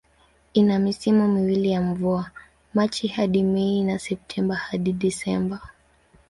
Ina misimu miwili ya mvua, Machi hadi Mei na Septemba hadi Disemba.